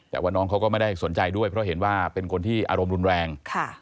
แต่ว่าน้องเขาก็ไม่ได้สนใจด้วยเพราะเห็นว่าเป็นคนที่อารมณ์รุนแรง